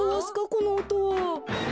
このおとは。